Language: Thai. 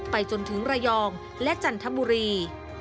จนถึงระยองและจันทบุรี